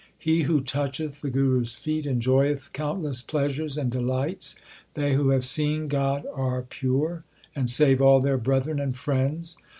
He who toucheth the Guru s feet enjoyeth countless pleasures and delights. They who have seen God are pure, And save all their brethren and friends.